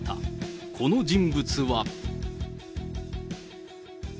この人物は。